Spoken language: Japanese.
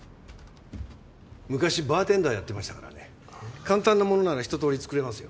昔バーテンダーやってましたからね簡単なものならひと通り作れますよ。